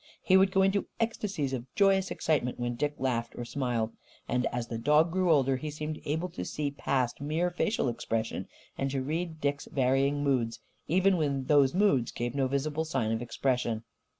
He would go into ecstasies of joyous excitement when Dick laughed or smiled. And, as the dog grew older, he seemed able to see past mere facial expression and to read Dick's varying moods, even when those moods gave no visible sign of expression.